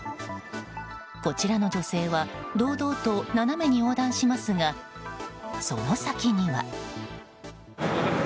こちらの女性は堂々と斜めに横断しますがその先には。